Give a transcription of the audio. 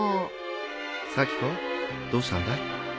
さきこどうしたんだい？